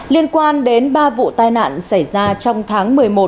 liên quan đến ba vụ tai nạn xảy ra trong tháng một mươi một